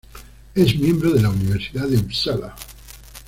Es miembro de la Universidad de Upsala.